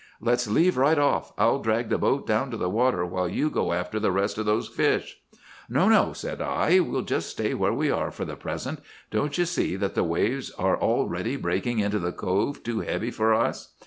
Let's leave right off! I'll drag the boat down to the water, while you go after the rest of those fish.' "'No, no!' said I. 'We'll just stay where we are for the present. Don't you see that the waves are already breaking into the cove too heavy for us?